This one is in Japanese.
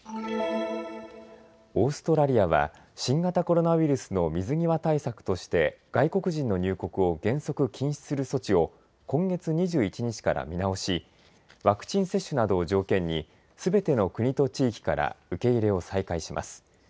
オーストラリアは、新型コロナウイルスの水際対策として、外国人の入国を原則禁止する措置を、今月２１日から見直し、ワクチン接種などを条件に、すべての国と地域から受け入れを再開します。